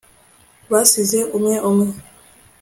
basize umwe umwe